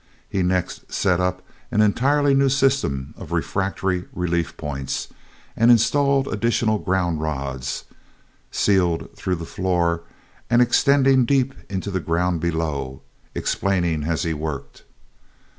He next set up an entirely new system of refractory relief points and installed additional ground rods, sealed through the floor and extending deep into the ground below, explaining as he worked.